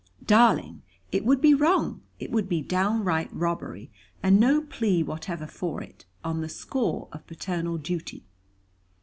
"Darling, it would be wrong. It would be downright robbery; and no plea whatever for it, on the score of paternal duty.